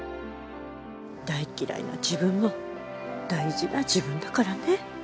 大嫌いな自分も大事な自分だからね。